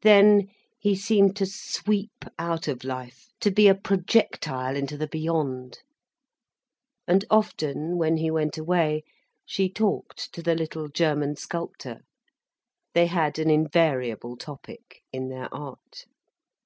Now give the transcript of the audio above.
Then he seemed to sweep out of life, to be a projectile into the beyond. And often, when he went away, she talked to the little German sculptor. They had an invariable topic, in their art.